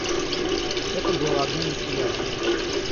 Это было одно неприятное.